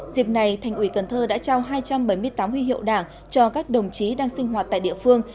dịp này thành ủy cần thơ đã trao hai trăm bảy mươi tám huy hiệu đảng cho các đồng chí đang sinh hoạt tại địa phương